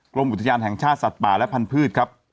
กรมอุทยานแห่งชาติสัตว์ป่าและพันธุ์ครับ